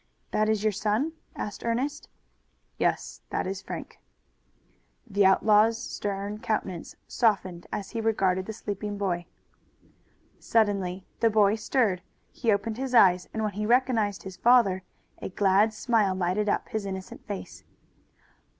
"That is your son?" asked Ernest. "Yes, that is Frank." The outlaw's stern countenance softened as he regarded the sleeping boy. Suddenly the boy stirred; he opened his eyes and when he recognized his father a glad smile lighted up his innocent face.